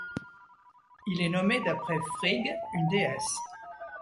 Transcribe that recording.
Il est nommé d'après Frigg, une déesse.